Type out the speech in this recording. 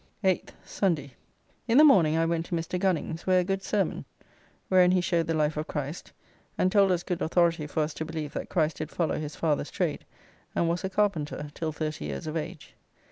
8th (Sunday). In the morning I went to Mr. Gunning's, where a good sermon, wherein he showed the life of Christ, and told us good authority for us to believe that Christ did follow his father's trade, and was a carpenter till thirty years of age.